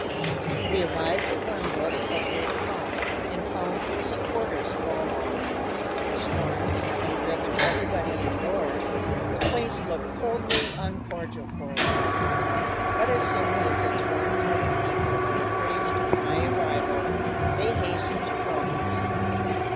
We arrived at Glenbrook at eight o'clock and found cozy quarters for all. The storm having driven everybody indoors, the place looked coldly uncordial for a time; but as soon as its warm hearted people were apprised of my arrival they hastened to welcome me.